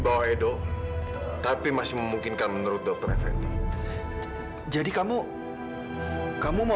kalau participasi soal animasi untuk perhirtaan yang tidak ketat